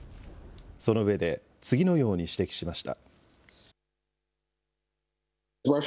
その上で、次のように指摘しました。